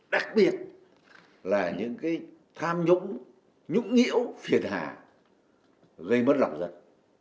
đặc biệt là những tham nhũng nhũng nhiễu phiền hà gây mất lòng giải